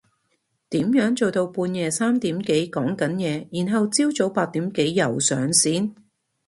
點樣做到半夜三點幾講緊嘢然後朝早八點幾又上線？